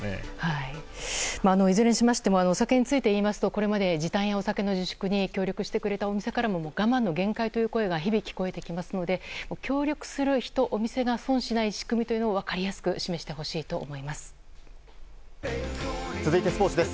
いずれにしましてもお酒について言いますとこれまで時短やお酒の自粛に協力してくれたお店からも我慢の限界という声が日々、聞こえてきますので協力する人、お店が損しない仕組みを分かりやすく示してほしいと思います。